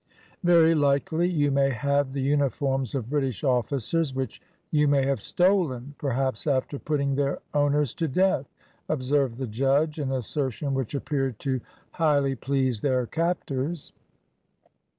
"Very likely you may have the uniforms of British officers, which you may have stolen, perhaps after putting their owners to death," observed the judge, an assertion which appeared to highly please their captors.